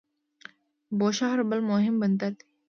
بوشهر بل مهم بندر دی.